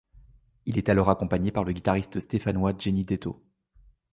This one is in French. Il est alors accompagné par le guitariste stéphanois Genny Detto.